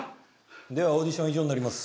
ではオーディション以上になります